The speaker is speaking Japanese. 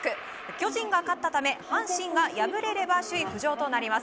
巨人が勝ったため阪神が敗れれば首位浮上となります。